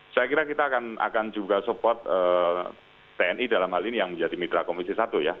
saya kira kita akan juga support tni dalam hal ini yang menjadi mitra komisi satu ya